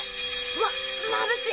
わあまぶしい！